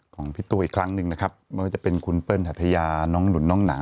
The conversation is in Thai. ของพี่ตัวอีกครั้งหนึ่งนะครับไม่ว่าจะเป็นคุณเปิ้ลหัทยาน้องหนุนน้องหนัง